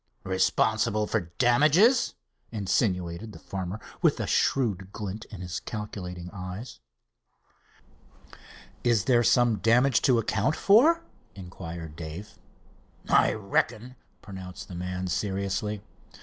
"Responsible for damages?" insinuated the farmer, with a shrewd glint in his calculating eyes. "Is there some damage to account for?" inquired Dave. "I reckon," pronounced the man seriously.